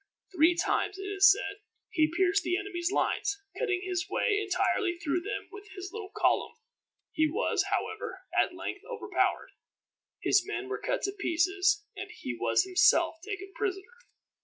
Three times, it is said, he pierced the enemy's lines, cutting his way entirely through them with his little column. He was, however, at length overpowered. His men were cut to pieces, and he was himself taken prisoner.